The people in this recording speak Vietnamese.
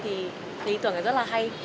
thì thấy ý tưởng này rất là hay